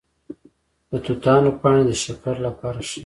د توتانو پاڼې د شکر لپاره ښې دي؟